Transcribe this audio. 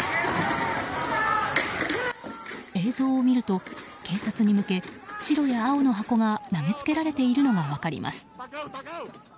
映像を見ると警察に向け、白や青の箱が投げつけられているのが分かります。